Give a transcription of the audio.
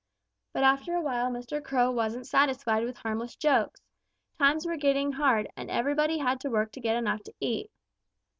"But after a while Mr. Crow wasn't satisfied with harmless jokes. Times were getting hard, and everybody had to work to get enough to eat.